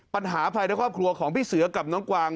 ปัญหาภายในครอบครัวของพี่เสือกับน้องกวาง